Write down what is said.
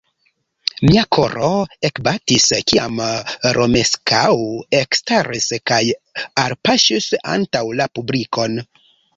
Mia koro ekbatis, kiam Romeskaŭ ekstaris kaj alpaŝis antaŭ la publikon.